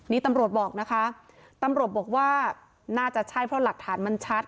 นี่ตำรวจบอกนะคะตำรวจบอกว่าน่าจะใช่เพราะหลักฐานมันชัด